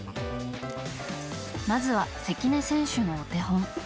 まずは関根選手のお手本。